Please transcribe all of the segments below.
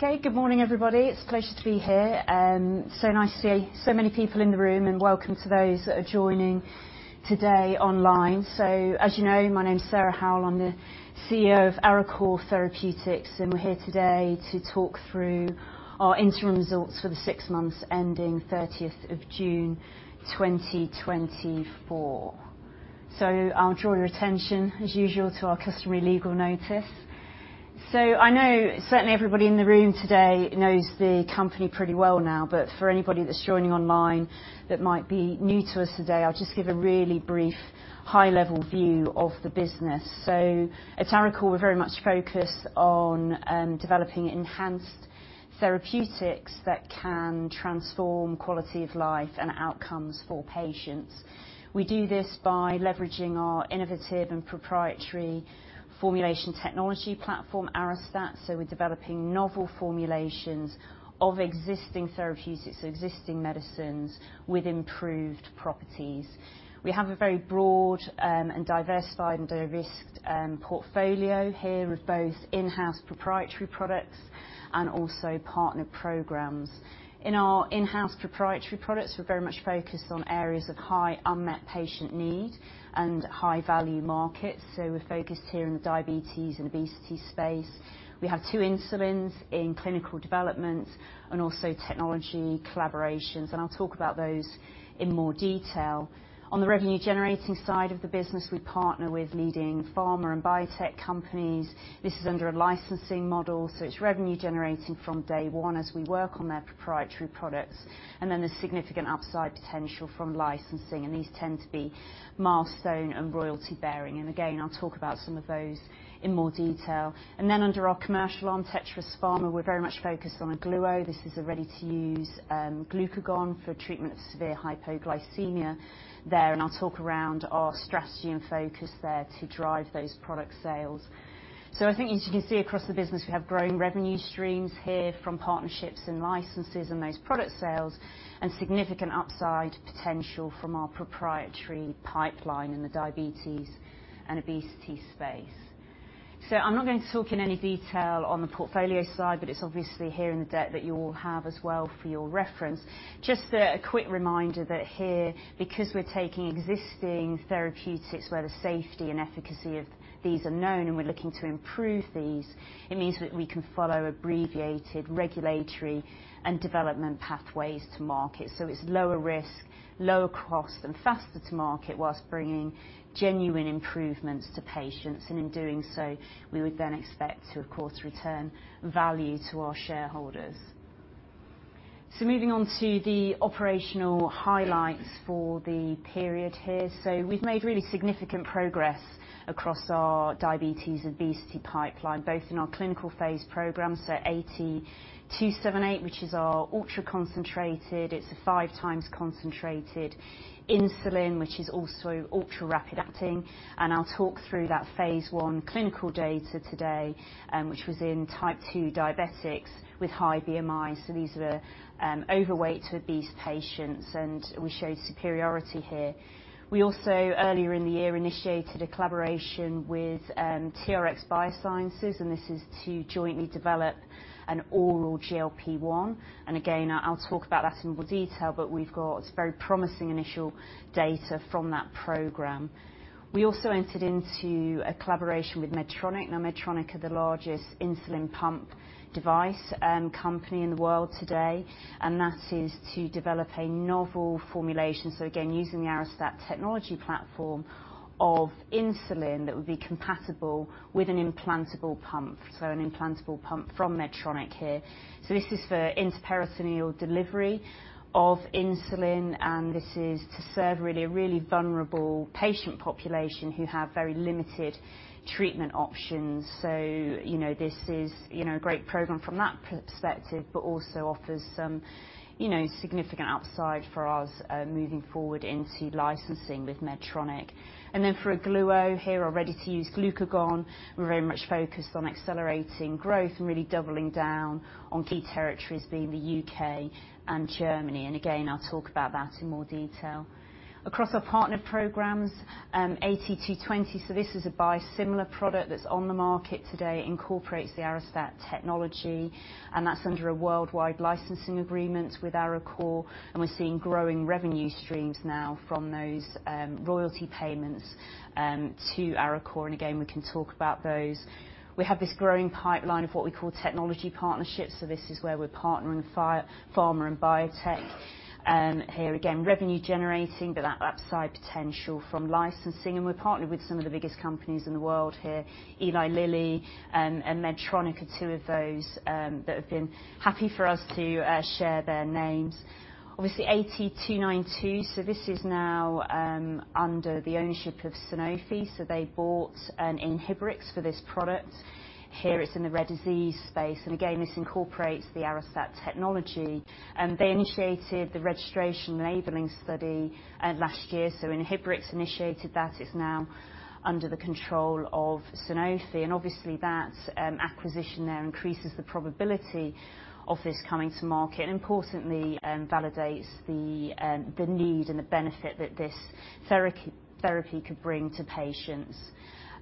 Okay, good morning, everybody. It's a pleasure to be here. So nice to see so many people in the room, and welcome to those that are joining today online. So as you know, my name is Sarah Howell. I'm the CEO of Arecor Therapeutics, and we're here today to talk through our interim results for the six months ending thirtieth of June, twenty twenty-four. So I'll draw your attention, as usual, to our customary legal notice. So I know certainly everybody in the room today knows the company pretty well now, but for anybody that's joining online that might be new to us today, I'll just give a really brief, high-level view of the business. So at Arecor, we're very much focused on developing enhanced therapeutics that can transform quality of life and outcomes for patients. We do this by leveraging our innovative and proprietary formulation technology platform, Arestat. So we're developing novel formulations of existing therapeutics, existing medicines with improved properties. We have a very broad, and diversified and de-risked, portfolio here, with both in-house proprietary products and also partner programs. In our in-house proprietary products, we're very much focused on areas of high unmet patient need and high value markets, so we're focused here in the diabetes and obesity space. We have two insulins in clinical development and also technology collaborations, and I'll talk about those in more detail. On the revenue generating side of the business, we partner with leading pharma and biotech companies. This is under a licensing model, so it's revenue generating from day one as we work on their proprietary products, and then there's significant upside potential from licensing, and these tend to be milestone and royalty bearing. Again, I'll talk about some of those in more detail. Then, under our commercial arm, Tetris Pharma, we're very much focused on Ogluo. This is a ready-to-use glucagon for treatment of severe hypoglycemia there, and I'll talk around our strategy and focus there to drive those product sales. I think as you can see across the business, we have growing revenue streams here from partnerships and licenses and those product sales, and significant upside potential from our proprietary pipeline in the diabetes and obesity space. I'm not going to talk in any detail on the portfolio side, but it's obviously here in the deck that you all have as well for your reference. Just a quick reminder that here, because we're taking existing therapeutics where the safety and efficacy of these are known, and we're looking to improve these, it means that we can follow abbreviated regulatory and development pathways to market. So it's lower risk, lower cost, and faster to market, whilst bringing genuine improvements to patients. And in doing so, we would then expect to, of course, return value to our shareholders. So moving on to the operational highlights for the period here. So we've made really significant progress across our diabetes, obesity pipeline, both in our clinical phase program, so AT278, which is our ultra-concentrated. It's a five times concentrated insulin, which is also ultra-rapid acting, and I'll talk through that phase I clinical data today, which was in Type 2 diabetics with high BMI. So these were overweight to obese patients, and we showed superiority here. We also, earlier in the year, initiated a collaboration with TRX Biosciences, and this is to jointly develop an oral GLP-1. And again, I'll talk about that in more detail, but we've got very promising initial data from that program. We also entered into a collaboration with Medtronic. Now, Medtronic are the largest insulin pump device company in the world today, and that is to develop a novel formulation, so again, using the Arestat technology platform of insulin that would be compatible with an implantable pump, so an implantable pump from Medtronic here. So this is for intraperitoneal delivery of insulin, and this is to serve really a vulnerable patient population who have very limited treatment options. So you know, this is, you know, a great program from that perspective, but also offers some, you know, significant upside for us, moving forward into licensing with Medtronic. And then for Ogluo, here, our ready-to-use glucagon, we're very much focused on accelerating growth and really doubling down on key territories, being the UK and Germany. And again, I'll talk about that in more detail. Across our partner programs, AT220, so this is a biosimilar product that's on the market today. It incorporates the Arestat technology, and that's under a worldwide licensing agreement with Arecor, and we're seeing growing revenue streams now from those, royalty payments, to Arecor. And again, we can talk about those. We have this growing pipeline of what we call technology partnerships, so this is where we're partnering with pharma and biotech. Here, again, revenue generating, but that upside potential from licensing, and we're partnered with some of the biggest companies in the world here. Eli Lilly and Medtronic are two of those that have been happy for us to share their names. Obviously, AT292, so this is now under the ownership of Sanofi, so they bought Inhibrx for this product. Here, it's in the rare disease space, and again, this incorporates the Arestat technology. They initiated the registration enabling study last year, so Inhibrx initiated that. It's now under the control of Sanofi, and obviously, that acquisition there increases the probability of this coming to market, and importantly, validates the need and the benefit that this therapy could bring to patients.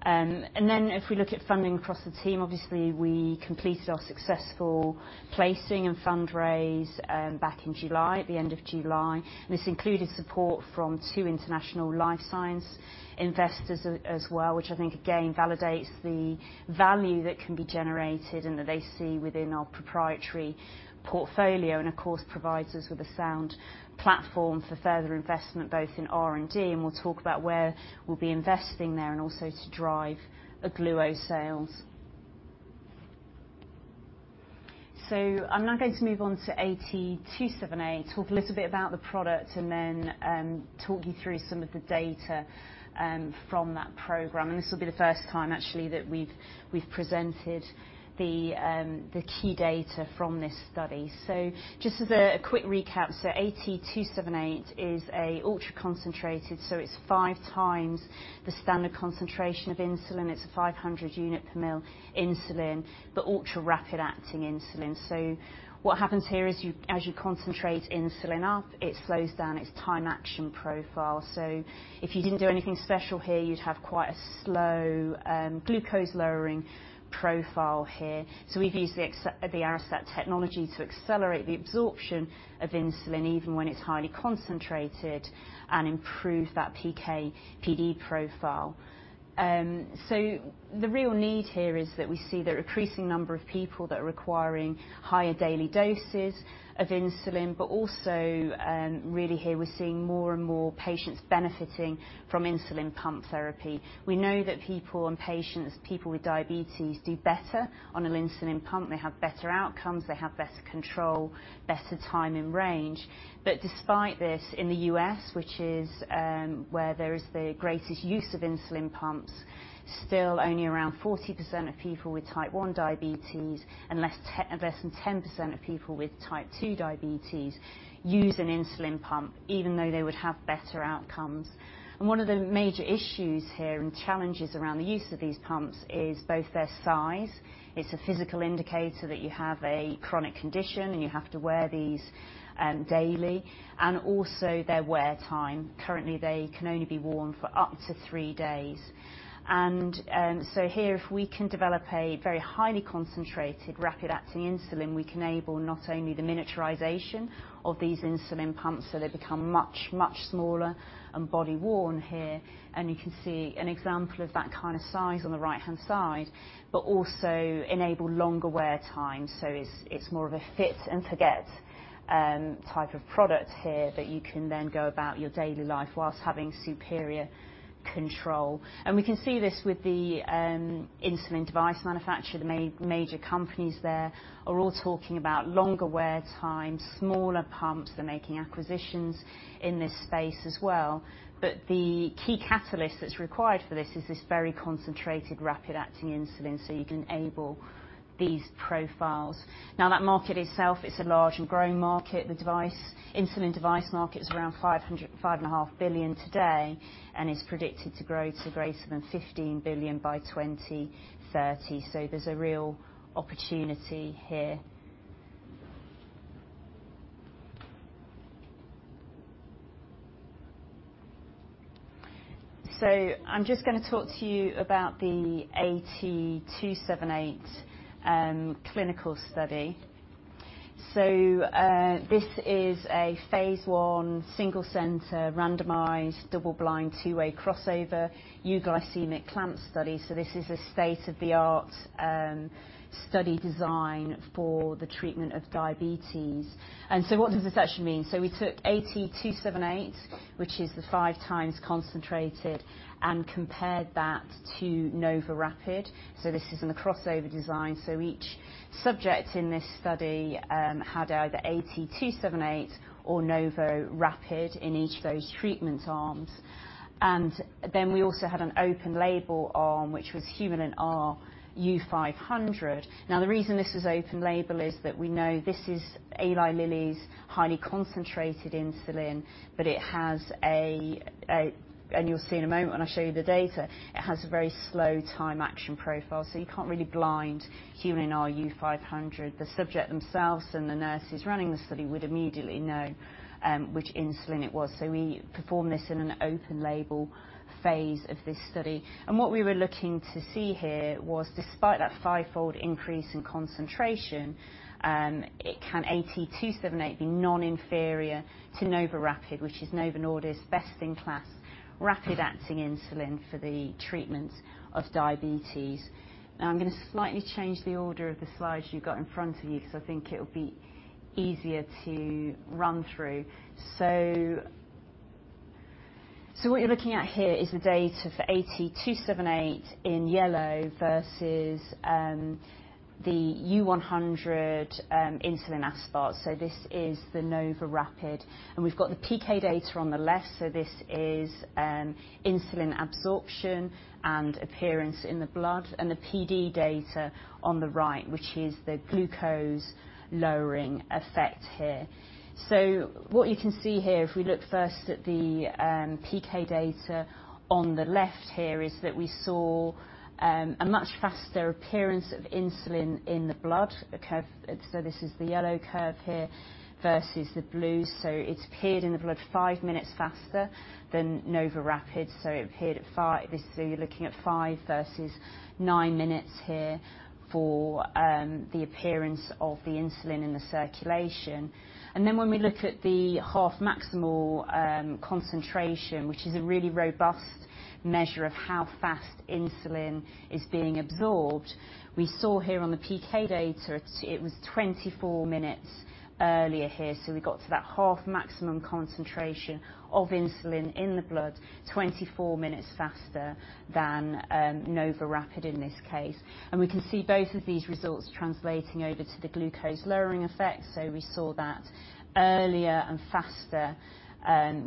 And then if we look at funding across the team, obviously, we completed our successful placing and fundraise, back in July, at the end of July, and this included support from two international life science investors as well, which I think again validates the value that can be generated and that they see within our proprietary portfolio, and of course, provides us with a sound platform for further investment, both in R&D, and we'll talk about where we'll be investing there, and also to drive Ogluo sales. So I'm now going to move on to AT278, talk a little bit about the product, and then, talk you through some of the data, from that program. And this will be the first time actually that we've presented the key data from this study. So just as a quick recap, AT278 is an ultra-concentrated, so it's five times the standard concentration of insulin. It's a 500 units per mL insulin, but ultra-rapid acting insulin. So what happens here is as you concentrate insulin up, it slows down its time action profile. So if you didn't do anything special here, you'd have quite a slow glucose-lowering profile here. So we've used the Arestat technology to accelerate the absorption of insulin, even when it's highly concentrated, and improve that PK/PD profile. So the real need here is that we see the increasing number of people that are requiring higher daily doses of insulin, but also, really here, we're seeing more and more patients benefiting from insulin pump therapy. We know that people and patients, people with diabetes, do better on an insulin pump. They have better outcomes, they have better control, better time in range. But despite this, in the US, which is where there is the greatest use of insulin pumps, still only around 40% of people with Type 1 diabetes and less than 10% of people with Type 2 diabetes use an insulin pump, even though they would have better outcomes. And one of the major issues here and challenges around the use of these pumps is both their size, it's a physical indicator that you have a chronic condition, and you have to wear these daily, and also their wear time. Currently, they can only be worn for up to three days. And so here, if we can develop a very highly concentrated, rapid-acting insulin, we can enable not only the miniaturization of these insulin pumps, so they become much, much smaller and body-worn here. And you can see an example of that kind of size on the right-hand side, but also enable longer wear time. So it's more of a fit and forget type of product here, that you can then go about your daily life whilst having superior control. And we can see this with the insulin device manufacturer. The major companies there are all talking about longer wear times, smaller pumps. They're making acquisitions in this space as well. But the key catalyst that's required for this is this very concentrated, rapid-acting insulin, so you can enable these profiles. Now, that market itself is a large and growing market. The insulin device market is around $5.5 billion today, and is predicted to grow to greater than $15 billion by 2030. There's a real opportunity here. I'm just gonna talk to you about the AT278 clinical study. This is a phase I, single center, randomized, double blind, two-way crossover, euglycemic clamp study. This is a state-of-the-art study design for the treatment of diabetes. What does this actually mean? We took AT278, which is the five times concentrated, and compared that to NovoRapid. This is in a crossover design. Each subject in this study had either AT278 or NovoRapid in each of those treatment arms. We also had an open label arm, which was Humulin R U-500. Now, the reason this is open label is that we know this is Eli Lilly's highly concentrated insulin, but it has a very slow time action profile, so you can't really blind Humulin R U-500. The subjects themselves and the nurses running the study would immediately know which insulin it was, so we performed this in an open label phase of this study. And what we were looking to see here was, despite that fivefold increase in concentration, it can AT278 be non-inferior to NovoRapid, which is Novo Nordisk's best-in-class, rapid-acting insulin for the treatment of diabetes. Now, I'm gonna slightly change the order of the slides you've got in front of you, because I think it'll be easier to run through. So what you're looking at here is the data for AT278 in yellow versus the U-100 insulin aspart. This is the NovoRapid, and we've got the PK data on the left, so this is insulin absorption and appearance in the blood, and the PD data on the right, which is the glucose-lowering effect here. What you can see here, if we look first at the PK data on the left here, is that we saw a much faster appearance of insulin in the blood, the curve, so this is the yellow curve here versus the blue. It appeared in the blood five minutes faster than NovoRapid, so it appeared at five. This is, you're looking at five versus nine minutes here for the appearance of the insulin in the circulation. And then when we look at the half maximal concentration, which is a really robust measure of how fast insulin is being absorbed, we saw here on the PK data, it was 24 minutes earlier here. So we got to that half maximum concentration of insulin in the blood, 24 minutes faster than NovoRapid in this case. And we can see both of these results translating over to the glucose-lowering effect. So we saw that earlier and faster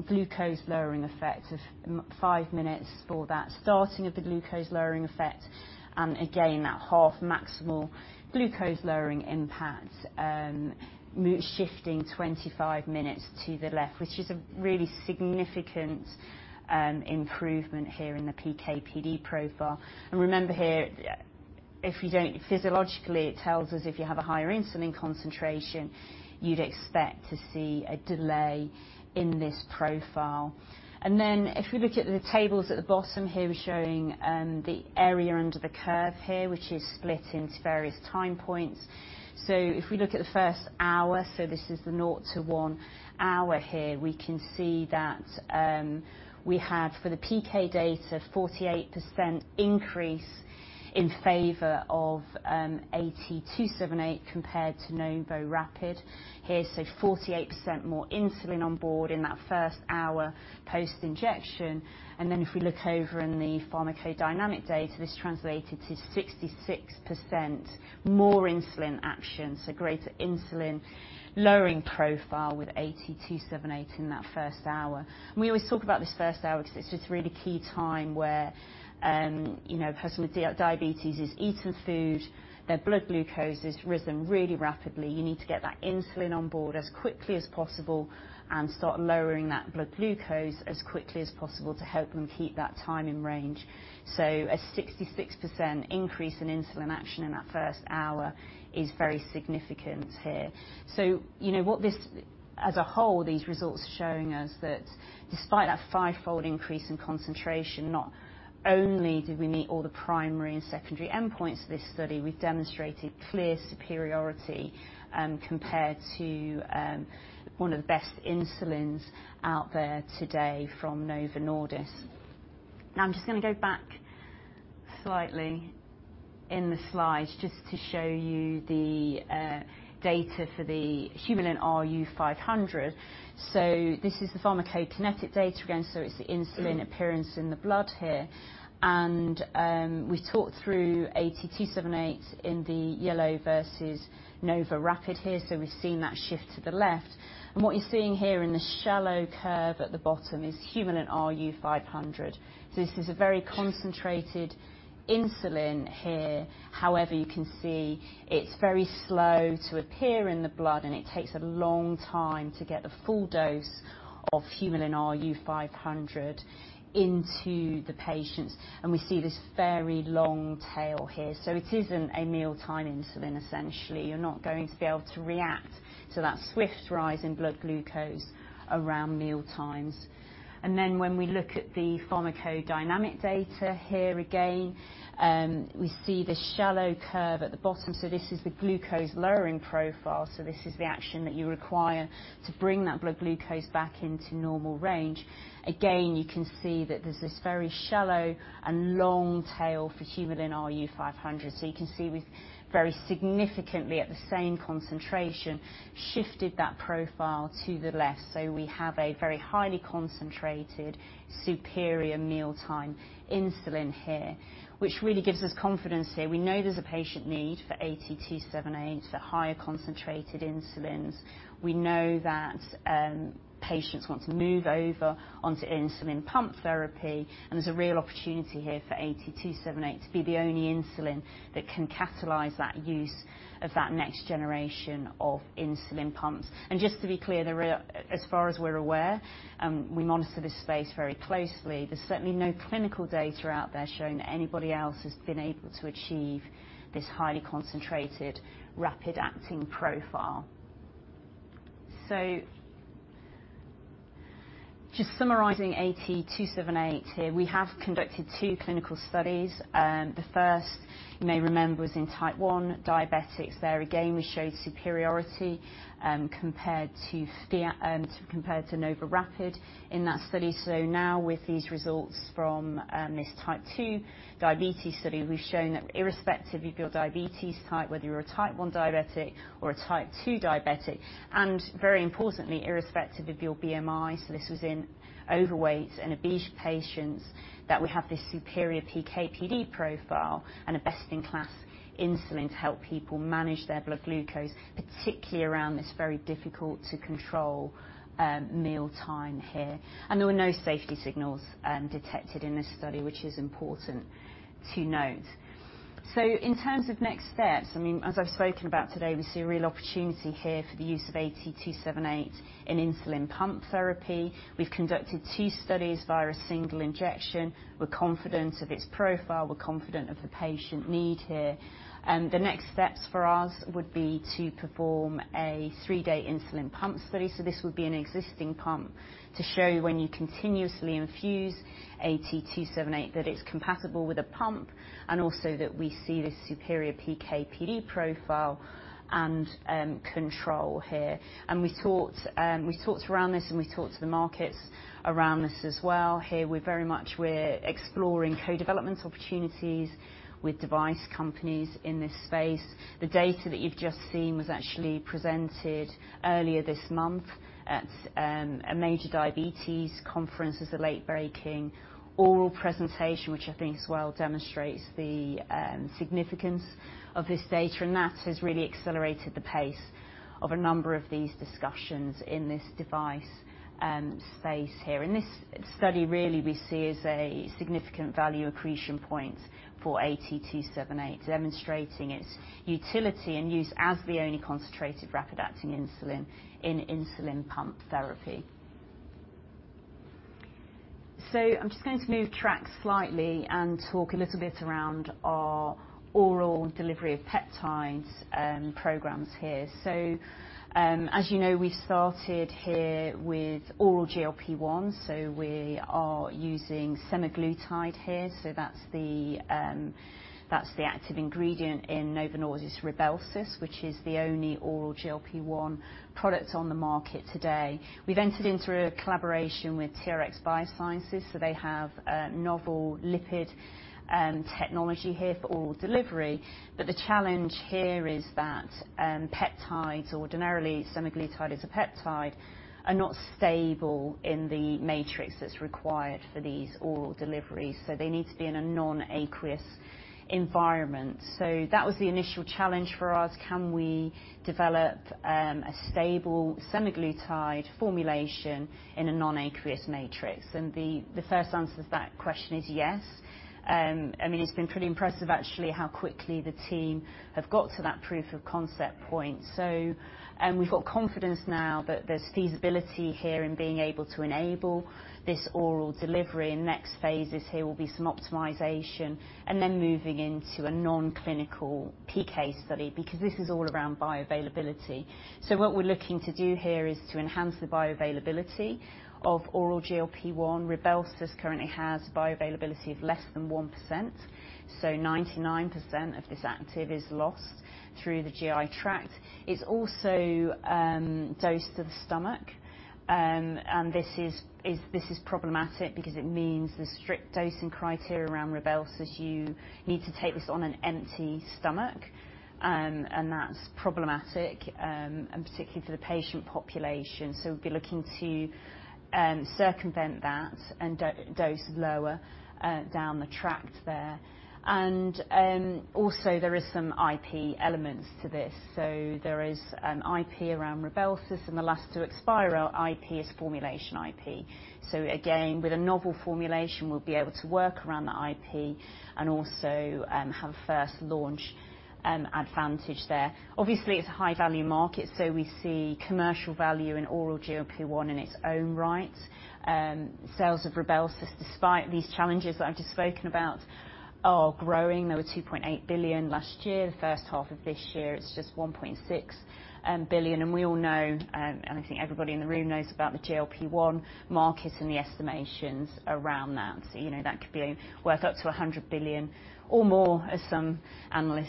glucose lowering effect of five minutes for that starting of the glucose lowering effect. And again, that half maximal glucose lowering impact shifting 25 minutes to the left, which is a really significant improvement here in the PK/PD profile. And remember here, if you don't, physiologically, it tells us if you have a higher insulin concentration, you'd expect to see a delay in this profile. And then if we look at the tables at the bottom here, we're showing the area under the curve here, which is split into various time points. So if we look at the first hour, so this is the nought to one hour here, we can see that we have for the PK data, 48% increase in favor of AT278 compared to NovoRapid. Here, so 48% more insulin on board in that first hour post-injection. And then if we look over in the pharmacodynamic data, this translated to 66% more insulin action, so greater insulin lowering profile with AT278 in that first hour. And we always talk about this first hour because it's just a really key time where, you know, a person with diabetes has eaten food, their blood glucose has risen really rapidly. You need to get that insulin on board as quickly as possible and start lowering that blood glucose as quickly as possible to help them keep that time in range. So a 66% increase in insulin action in that first hour is very significant here. So, you know what? This, as a whole, these results are showing us that despite that fivefold increase in concentration, not only did we meet all the primary and secondary endpoints of this study, we've demonstrated clear superiority compared to one of the best insulins out there today from Novo Nordisk. Now, I'm just going to go back slightly in the slide just to show you the data for the Humulin R U-500. So this is the pharmacokinetic data again, so it's the insulin appearance in the blood here. And we talked through AT278 in the yellow versus NovoRapid here. So we've seen that shift to the left. And what you're seeing here in the shallow curve at the bottom is Humulin R U-500. So this is a very concentrated insulin here. However, you can see it's very slow to appear in the blood, and it takes a long time to get the full dose of Humulin R U-500 into the patients. And we see this very long tail here, so it isn't a mealtime insulin. Essentially, you're not going to be able to react to that swift rise in blood glucose around mealtimes. And then when we look at the pharmacodynamic data, here again, we see this shallow curve at the bottom. So this is the glucose-lowering profile. So this is the action that you require to bring that blood glucose back into normal range. Again, you can see that there's this very shallow and long tail for Humulin R U-500. So you can see we've very significantly, at the same concentration, shifted that profile to the left. So we have a very highly concentrated, superior mealtime insulin here, which really gives us confidence here. We know there's a patient need for AT278, for higher concentrated insulins. We know that, patients want to move over onto insulin pump therapy, and there's a real opportunity here for AT278 to be the only insulin that can catalyze that use of that next generation of insulin pumps. Just to be clear, there are, as far as we're aware, we monitor this space very closely. There's certainly no clinical data out there showing that anybody else has been able to achieve this highly concentrated, rapid-acting profile. Just summarizing AT278 here, we have conducted two clinical studies. The first, you may remember, was in Type 1 diabetics. There, again, we showed superiority, compared to Fiasp, compared to NovoRapid in that study. Now with these results from this Type 2 diabetes study, we've shown that irrespective of your diabetes type, whether you're a Type 1 diabetic or a Type 2 diabetic, and very importantly, irrespective of your BMI. This was in overweight and obese patients, that we have this superior PK/PD profile and a best-in-class insulin to help people manage their blood glucose, particularly around this very difficult-to-control mealtime here. There were no safety signals detected in this study, which is important to note. In terms of next steps, I mean, as I've spoken about today, we see a real opportunity here for the use of AT278 in insulin pump therapy. We've conducted two studies via a single injection. We're confident of its profile, we're confident of the patient need here. The next steps for us would be to perform a three-day insulin pump study. This would be an existing pump to show you when you continuously infuse AT278, that it's compatible with a pump, and also that we see this superior PK/PD profile and control here. We talked around this, and we talked to the markets around this as well. Here, we're very much exploring co-development opportunities with device companies in this space. The data that you've just seen was actually presented earlier this month at a major diabetes conference as a late-breaking oral presentation, which I think as well demonstrates the significance of this data. And that has really accelerated the pace of a number of these discussions in this device space here. And this study really we see as a significant value accretion point for AT278, demonstrating its utility and use as the only concentrated, rapid-acting insulin in insulin pump therapy.... So I'm just going to move track slightly and talk a little bit around our oral delivery of peptides programs here. So, as you know, we started here with oral GLP-1, so we are using semaglutide here. So that's the active ingredient in Novo Nordisk's Rybelsus, which is the only oral GLP-1 product on the market today. We've entered into a collaboration with TRX Biosciences, so they have a novel lipid technology here for oral delivery, but the challenge here is that, peptides, ordinarily, semaglutide is a peptide, are not stable in the matrix that's required for these oral deliveries, so they need to be in a non-aqueous environment, so that was the initial challenge for us: Can we develop a stable semaglutide formulation in a non-aqueous matrix, and the first answer to that question is yes. I mean, it's been pretty impressive, actually, how quickly the team have got to that proof of concept point, so we've got confidence now that there's feasibility here in being able to enable this oral delivery, and next phases here will be some optimization and then moving into a non-clinical PK study, because this is all around bioavailability. So what we're looking to do here is to enhance the bioavailability of oral GLP-1. Rybelsus currently has a bioavailability of less than 1%, so 99% of this active is lost through the GI tract. It's also dosed to the stomach, and this is problematic because it means the strict dosing criteria around Rybelsus. You need to take this on an empty stomach, and that's problematic, and particularly for the patient population. We'll be looking to circumvent that and dose lower down the tract there. And also, there is some IP elements to this. There is an IP around Rybelsus, and the last to expire, our IP is formulation IP. Again, with a novel formulation, we'll be able to work around the IP and also have first launch advantage there. Obviously, it's a high-value market, so we see commercial value in oral GLP-1 in its own right. Sales of Rybelsus, despite these challenges that I've just spoken about, are growing. They were $2.8 billion last year. The first half of this year, it's just $1.6 billion. And we all know, and I think everybody in the room knows about the GLP-1 market and the estimations around that. So you know, that could be worth up to $100 billion or more, as some analysts,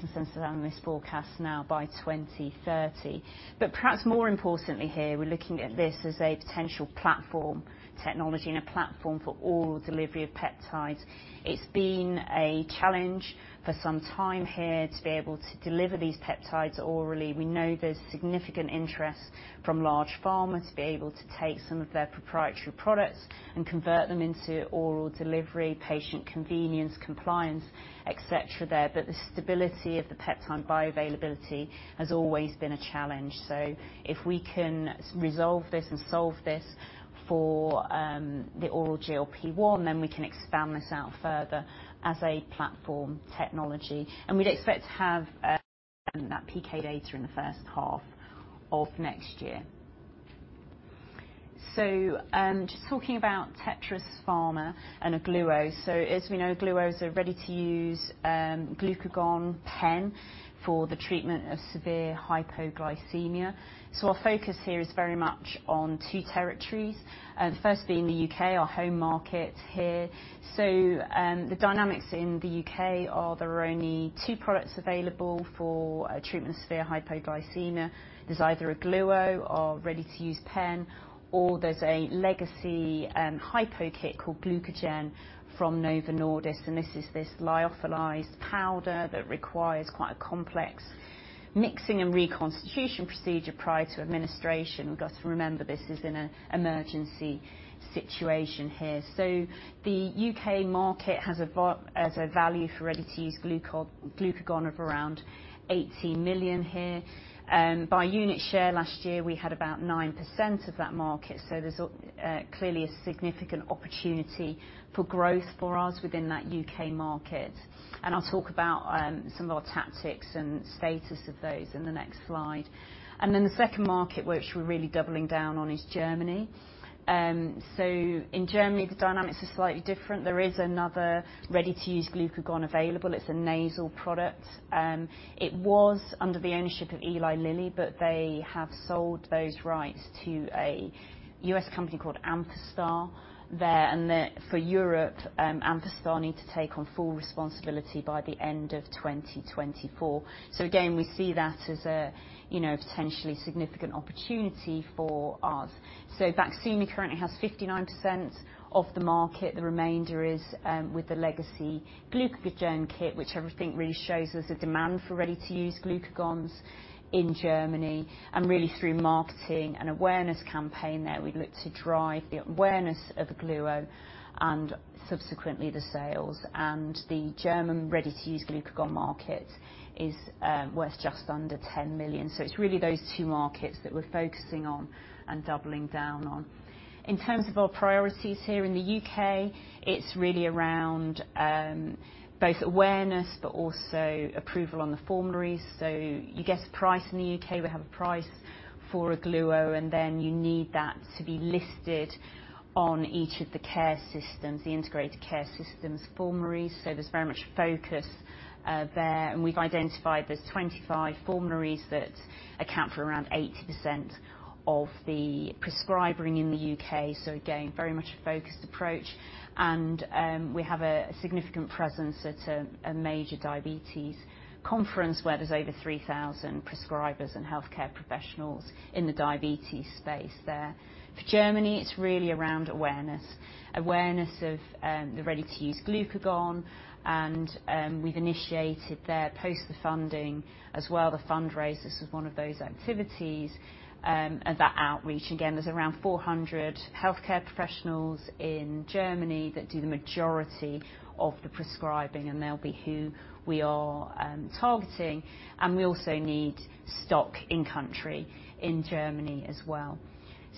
consensus analysts forecast now by 2030. But perhaps more importantly here, we're looking at this as a potential platform technology and a platform for oral delivery of peptides. It's been a challenge for some time here to be able to deliver these peptides orally. We know there's significant interest from large pharma to be able to take some of their proprietary products and convert them into oral delivery, patient convenience, compliance, et cetera there, but the stability of the peptide bioavailability has always been a challenge, so if we can resolve this and solve this for the oral GLP-1, then we can expand this out further as a platform technology, and we'd expect to have that PK data in the first half of next year, so just talking about Tetris Pharma and Ogluo, so as we know, Ogluo is a ready-to-use glucagon pen for the treatment of severe hypoglycemia, so our focus here is very much on two territories, the first being the U.K., our home market here, so the dynamics in the U.K. are there are only two products available for treatment of severe hypoglycemia. There's either Ogluo, a ready-to-use pen, or there's a legacy hypo kit called GlucaGen from Novo Nordisk, and this is lyophilized powder that requires quite a complex mixing and reconstitution procedure prior to administration. We've got to remember, this is in an emergency situation here. So the U.K. market has a value for ready-to-use glucagon of around 80 million here. By unit share last year, we had about 9% of that market, so there's clearly a significant opportunity for growth for us within that U.K. market. And I'll talk about some of our tactics and status of those in the next slide. And then the second market, which we're really doubling down on, is Germany. So in Germany, the dynamics are slightly different. There is another ready-to-use glucagon available. It's a nasal product. It was under the ownership of Eli Lilly, but they have sold those rights to a US company called Amphastar there. And, for Europe, Amphastar need to take on full responsibility by the end of 2024. So again, we see that as a, you know, potentially significant opportunity for us. So Baqsimi currently has 59% of the market. The remainder is with the legacy GlucaGen kit, which I think really shows there's a demand for ready-to-use glucagons in Germany and really through marketing and awareness campaign there, we look to drive the awareness of Ogluo and subsequently the sales. And the German ready-to-use glucagon market is worth just under €10 million. So it's really those two markets that we're focusing on and doubling down on. In terms of our priorities here in the UK, it's really around both awareness, but also approval on the formularies. So you get a price in the UK, we have a price for Ogluo, and then you need that to be listed on each of the care systems, the Integrated Care Systems formularies, so there's very much focus there. And we've identified there's 25 formularies that account for around 80% of the prescribing in the UK, so again, very much a focused approach. And we have a significant presence at a major diabetes conference where there's over 3,000 prescribers and healthcare professionals in the diabetes space there. For Germany, it's really around awareness. Awareness of the ready-to-use glucagon, and we've initiated there post the funding as well, the fundraise. This is one of those activities, and that outreach. Again, there's around 400 healthcare professionals in Germany that do the majority of the prescribing, and they'll be who we are targeting, and we also need stock in country, in Germany as well.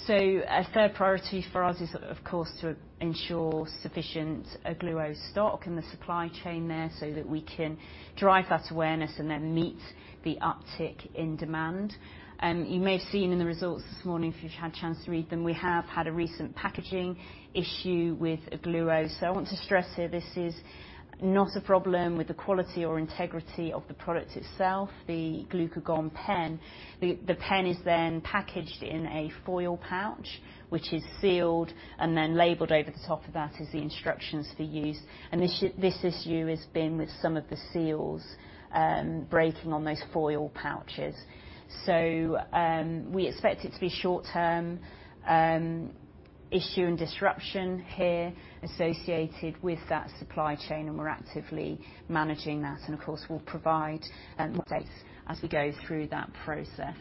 So a third priority for us is, of course, to ensure sufficient Ogluo stock and the supply chain there, so that we can drive that awareness and then meet the uptick in demand. You may have seen in the results this morning, if you've had a chance to read them, we have had a recent packaging issue with Ogluo. So I want to stress here, this is not a problem with the quality or integrity of the product itself, the glucagon pen. The pen is then packaged in a foil pouch, which is sealed and then labeled. Over the top of that is the instructions for use. And this issue has been with some of the seals breaking on those foil pouches. So we expect it to be short-term issue and disruption here associated with that supply chain, and we're actively managing that. And of course, we'll provide updates as we go through that process.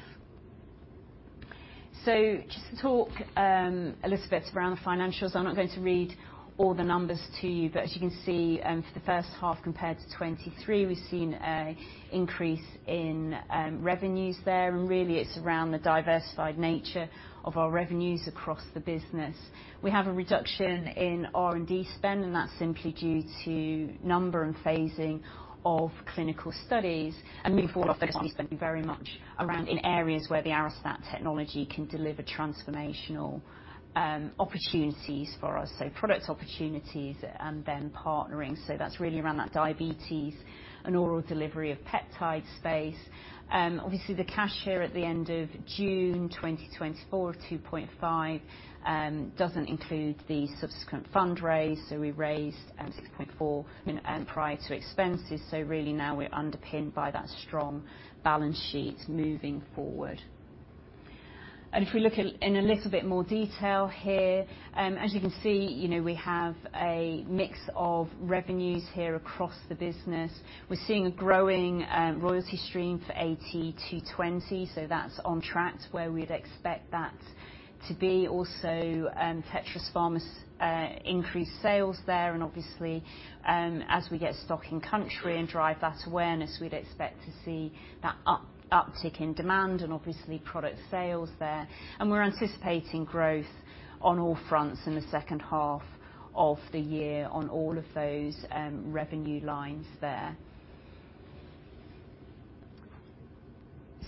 So just to talk a little bit around the financials. I'm not going to read all the numbers to you, but as you can see for the first half compared to 2023, we've seen a increase in revenues there. And really, it's around the diversified nature of our revenues across the business. We have a reduction in R&D spend, and that's simply due to number and phasing of clinical studies. And moving forward, obviously, spending very much around in areas where the Arestat technology can deliver transformational opportunities for us. So product opportunities and then partnering. So that's really around that diabetes and oral delivery of peptide space. Obviously, the cash here at the end of June 2024, 2.5, doesn't include the subsequent fundraise, so we raised 6.4 prior to expenses. So really now we're underpinned by that strong balance sheet moving forward. And if we look at in a little bit more detail here, as you can see, you know, we have a mix of revenues here across the business. We're seeing a growing royalty stream for AT220, so that's on track to where we'd expect that to be. Also, Tetris Pharma's increased sales there, and obviously, as we get stock in country and drive that awareness, we'd expect to see that uptick in demand and obviously, product sales there. And we're anticipating growth on all fronts in the second half of the year on all of those, revenue lines there.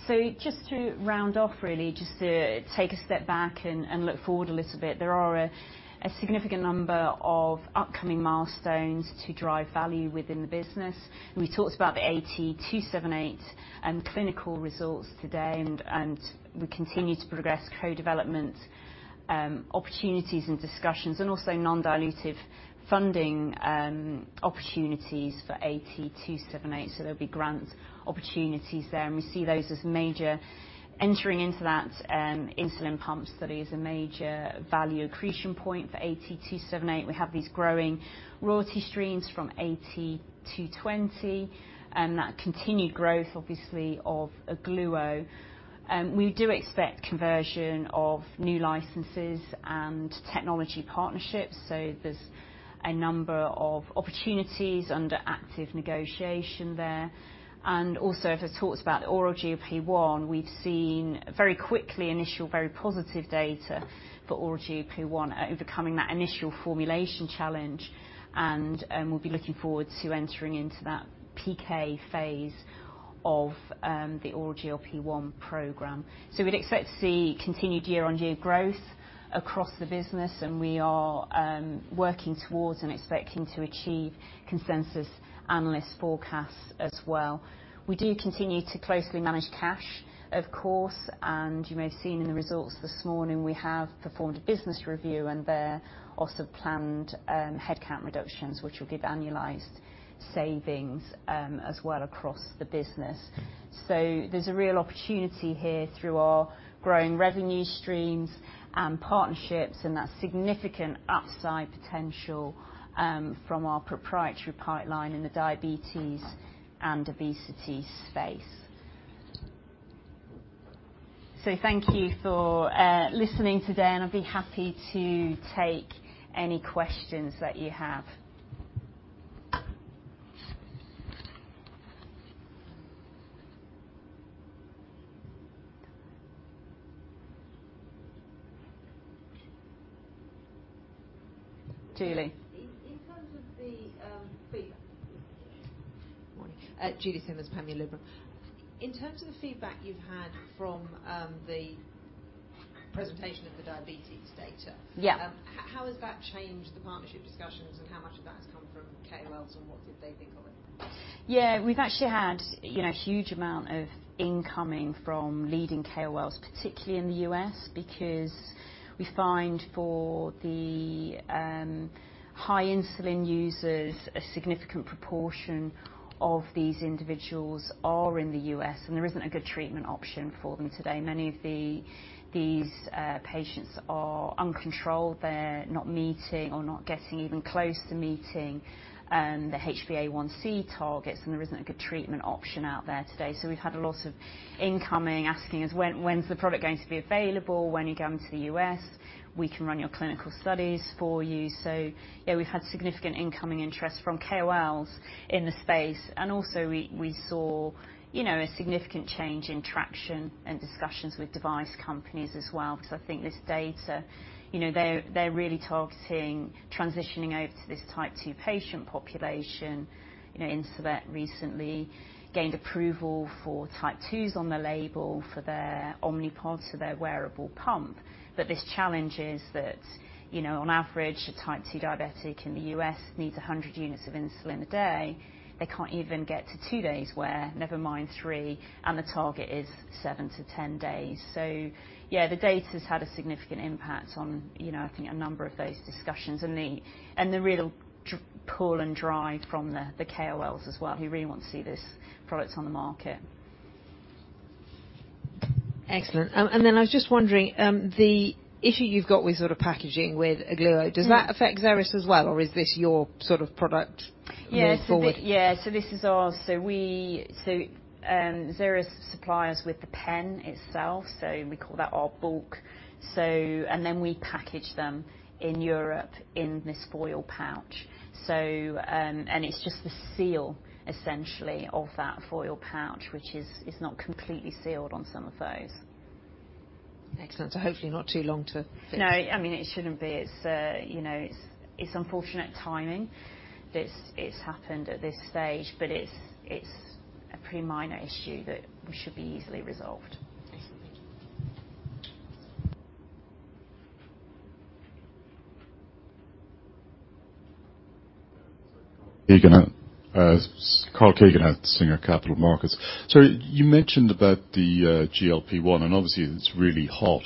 So just to round off, really, just to take a step back and look forward a little bit. There are a significant number of upcoming milestones to drive value within the business. We talked about the AT278 and clinical results today, and we continue to progress co-development opportunities and discussions, and also non-dilutive funding opportunities for AT278. So there'll be grant opportunities there, and we see those as major. Entering into that insulin pump study is a major value accretion point for AT278. We have these growing royalty streams from AT220, that continued growth, obviously, of Ogluo. We do expect conversion of new licenses and technology partnerships, so there's a number of opportunities under active negotiation there. And also, as I talked about the oral GLP-1, we've seen very quickly, initial, very positive data for oral GLP-1, overcoming that initial formulation challenge. And, we'll be looking forward to entering into that PK phase of the oral GLP-1 program. So we'd expect to see continued year-on-year growth across the business, and we are working towards and expecting to achieve consensus analysts' forecasts as well. We do continue to closely manage cash, of course, and you may have seen in the results this morning, we have performed a business review, and there are some planned headcount reductions, which will give annualized savings as well across the business. So there's a real opportunity here through our growing revenue streams and partnerships, and that significant upside potential from our proprietary pipeline in the diabetes and obesity space. Thank you for listening today, and I'd be happy to take any questions that you have. Julie? In terms of the feedback. Morning. Julie Simmonds, Panmure Gordon. In terms of the feedback you've had from, the-... presentation of the diabetes data? Yeah. How has that changed the partnership discussions, and how much of that has come from KOLs, and what did they think of it? Yeah, we've actually had, you know, a huge amount of incoming from leading KOLs, particularly in the U.S., because we find for the high insulin users, a significant proportion of these individuals are in the U.S., and there isn't a good treatment option for them today. Many of the, these patients are uncontrolled. They're not meeting or not getting even close to meeting the HbA1c targets, and there isn't a good treatment option out there today. So we've had a lot of incoming asking us, "When, when's the product going to be available? When are you coming to the U.S.? We can run your clinical studies for you." So yeah, we've had significant incoming interest from KOLs in the space, and also we saw, you know, a significant change in traction and discussions with device companies as well, because I think this data, you know, they're really targeting, transitioning over to this Type 2 patient population. You know, Insulet recently gained approval for Type 2s on the label for their Omnipod, so their wearable pump. But this challenge is that, you know, on average, a Type 2 diabetic in the U.S. needs a hundred units of insulin a day. They can't even get to two days wear, never mind three, and the target is seven to ten days. Yeah, the data's had a significant impact on, you know, I think a number of those discussions, and the real pull and drive from the KOLs as well, who really want to see this product on the market. Excellent. And then I was just wondering, the issue you've got with sort of packaging with Ogluo- Mm-hmm. Does that affect Xeris as well, or is this your sort of product going forward? Yes, so. Yeah, so this is ours. So we, Xeris supplies with the pen itself, so we call that our bulk. So, and then we package them in Europe in this foil pouch. So, and it's just the seal, essentially, of that foil pouch, which is not completely sealed on some of those. Excellent, so hopefully not too long to fix. No, I mean, it shouldn't be. It's, you know, it's a pretty minor issue that should be easily resolved. Excellent.... Karl Keegan at Singer Capital Markets. So you mentioned about the GLP-1, and obviously it's really hot.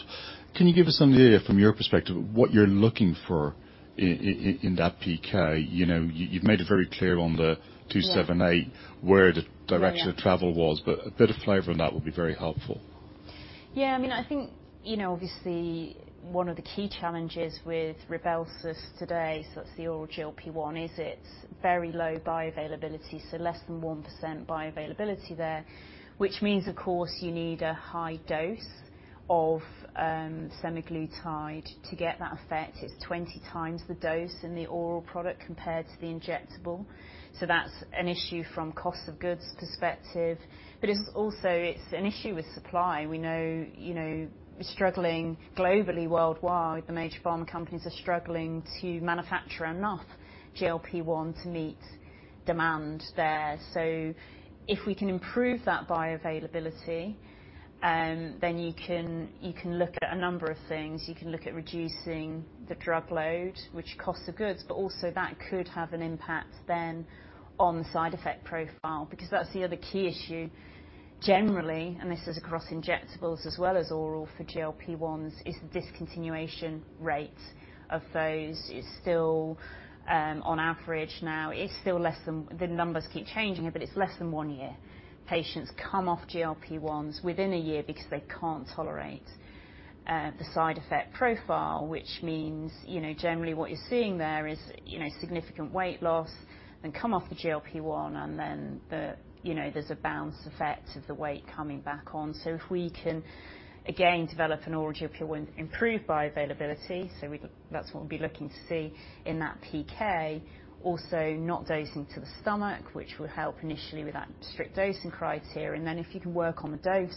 Can you give us some idea from your perspective, what you're looking for in that PK? You know, you've made it very clear on the two seven eight- Yeah where the direction Yeah of travel was, but a bit of flavor on that would be very helpful. Yeah, I mean, I think, you know, obviously one of the key challenges with Rybelsus today, so that's the oral GLP-1, is its very low bioavailability, so less than 1% bioavailability there, which means, of course, you need a high dose of, semaglutide to get that effect. It's twenty times the dose in the oral product compared to the injectable. So that's an issue from cost of goods perspective, but it's also, it's an issue with supply. We know, you know, struggling globally, worldwide, the major pharma companies are struggling to manufacture enough GLP-1 to meet demand there. So if we can improve that bioavailability, then you can, you can look at a number of things. You can look at reducing the drug load, which costs the goods, but also that could have an impact then on the side effect profile, because that's the other key issue generally, and this is across injectables as well as oral for GLP-1s, is the discontinuation rate of those is still, on average now, it's still less than... The numbers keep changing, but it's less than one year. Patients come off GLP-1s within a year because they can't tolerate, the side effect profile, which means, you know, generally what you're seeing there is, you know, significant weight loss then come off the GLP-1, and then the, you know, there's a bounce effect of the weight coming back on. So if we can, again, develop an oral GLP-1, improve bioavailability, so we'd, that's what we'd be looking to see in that PK. Also, not dosing to the stomach, which would help initially with that strict dosing criteria. And then if you can work on the dose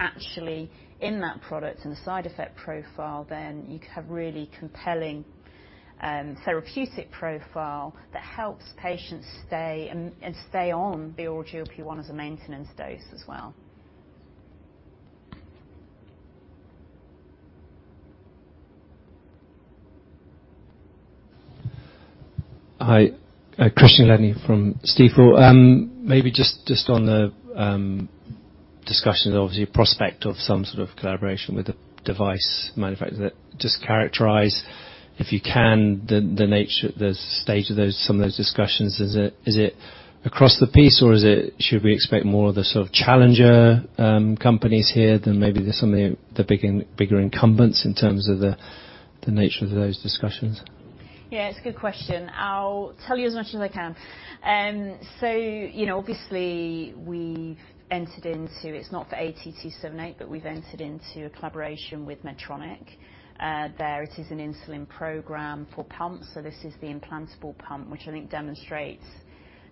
actually in that product and the side effect profile, then you could have really compelling, therapeutic profile that helps patients stay and stay on the oral GLP-1 as a maintenance dose as well. Hi, Christian Glennie from Stifel. Maybe just on the discussions, obviously, prospect of some sort of collaboration with the device manufacturer, just characterize, if you can, the nature, the state of those, some of those discussions. Is it across the piece, or should we expect more of the sort of challenger companies here than maybe some of the bigger incumbents in terms of the nature of those discussions? Yeah, it's a good question. I'll tell you as much as I can. So you know, obviously, we've entered into, it's not for AT-278, but we've entered into a collaboration with Medtronic. There it is an insulin program for pumps, so this is the implantable pump, which I think demonstrates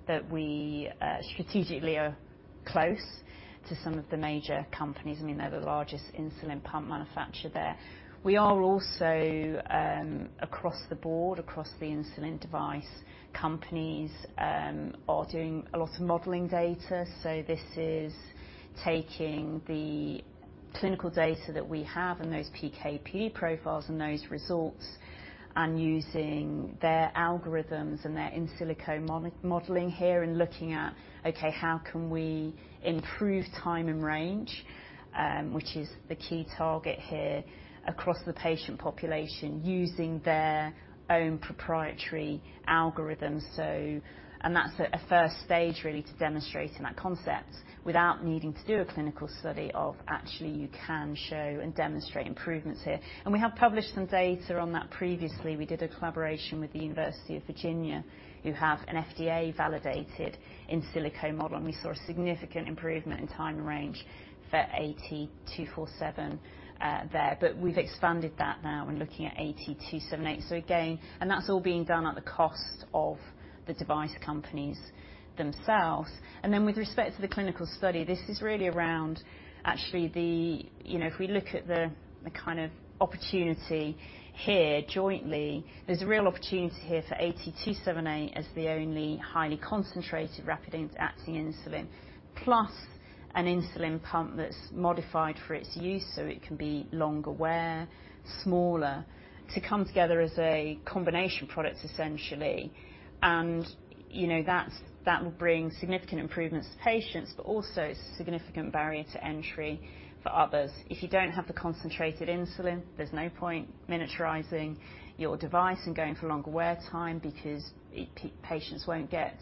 that we strategically are close to some of the major companies. I mean, they're the largest insulin pump manufacturer there. We are also across the board, across the insulin device companies, are doing a lot of modeling data. So this is taking the clinical data that we have in those PK/PD profiles and those results, and using their algorithms and their in silico modeling here, and looking at, okay, how can we improve time in range, which is the key target here, across the patient population, using their own proprietary algorithms? And that's a first stage, really, to demonstrating that concept, without needing to do a clinical study or actually you can show and demonstrate improvements here. And we have published some data on that previously. We did a collaboration with the University of Virginia, who have an FDA-validated in silico model, and we saw a significant improvement in time in range for AT247 there. But we've expanded that now when looking at AT278. So again, and that's all being done at the cost of the device companies themselves. And then, with respect to the clinical study, this is really around actually the... You know, if we look at the kind of opportunity here jointly, there's a real opportunity here for AT278 as the only highly concentrated, rapid-acting insulin, plus an insulin pump that's modified for its use, so it can be longer wear, smaller, to come together as a combination product, essentially. And, you know, that will bring significant improvements to patients, but also a significant barrier to entry for others. If you don't have the concentrated insulin, there's no point miniaturizing your device and going for a longer wear time, because patients won't get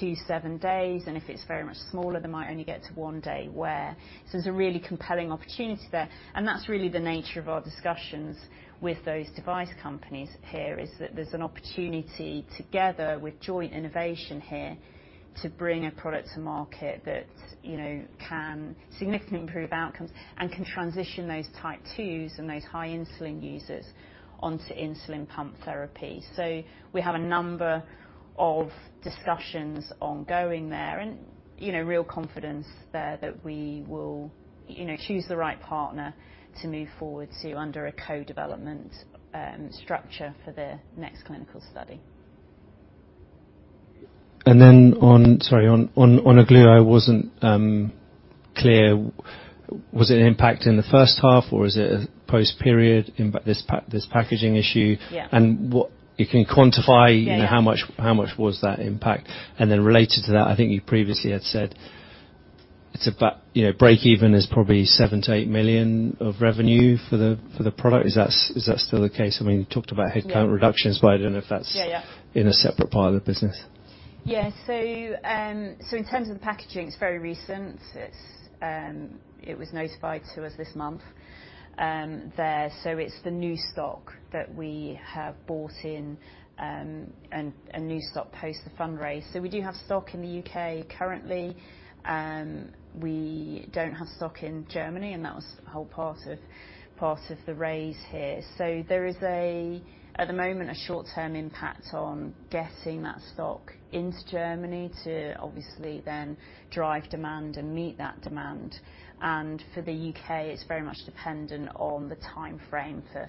to seven days, and if it's very much smaller, they might only get to one day wear. So there's a really compelling opportunity there, and that's really the nature of our discussions with those device companies here, is that there's an opportunity together with joint innovation here, to bring a product to market that, you know, can significantly improve outcomes and can transition those Type 2s and those high insulin users onto insulin pump therapy. So we have a number of discussions ongoing there, and, you know, real confidence there that we will, you know, choose the right partner to move forward to under a co-development structure for the next clinical study. Then on Ogluo, sorry, I wasn't clear. Was it an impact in the first half, or was it a post-period, but this packaging issue? Yeah. And what you can quantify. Yeah... you know, how much was that impact? And then related to that, I think you previously had said it's about, you know, breakeven is probably 7 to 8 million of revenue for the product. Is that still the case? I mean, you talked about headcount reductions- Yeah... but I don't know if that's- Yeah, yeah... in a separate part of the business. Yeah, so in terms of the packaging, it's very recent. It's, it was notified to us this month, there. So it's the new stock that we have bought in, and new stock post the fundraise. So we do have stock in the UK currently. We don't have stock in Germany, and that was the whole part of the raise here. So there is, at the moment, a short-term impact on getting that stock into Germany to obviously then drive demand and meet that demand. And for the UK, it's very much dependent on the timeframe for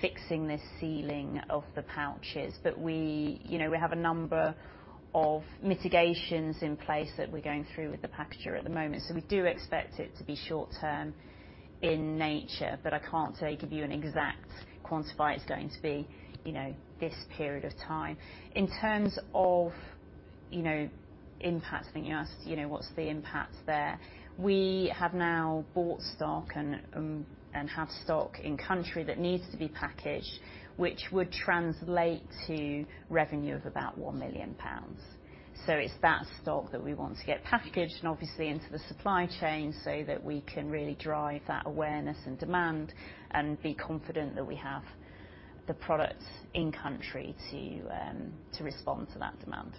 fixing this sealing of the pouches. But we, you know, we have a number of mitigations in place that we're going through with the packager at the moment. So we do expect it to be short term in nature, but I can't say, give you an exact quantification it's going to be, you know, this period of time. In terms of, you know, impact, I think you asked, you know, what's the impact there? We have now bought stock and have stock in country that needs to be packaged, which would translate to revenue of about 1 million pounds. So it's that stock that we want to get packaged and obviously into the supply chain, so that we can really drive that awareness and demand and be confident that we have the products in country to respond to that demand.